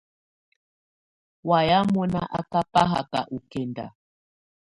Wayɛ̀á mɔ́ná á ká faháka ɔ kɛnda.